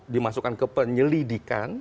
dimasukkan ke penyelidikan